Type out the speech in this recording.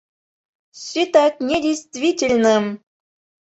Считать недействительным!..